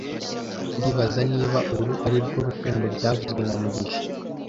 Ndibaza niba uru arirwo rukundo byavuzwe na mugisha